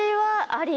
あり？